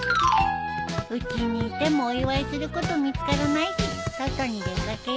うちにいてもお祝いすること見つからないし外に出掛けよう。